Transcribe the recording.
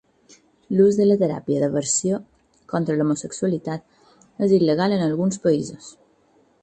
L'ús de la teràpia d'aversió contra l'homosexualitat és il·legal en alguns països.